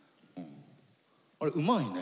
あれうまいね。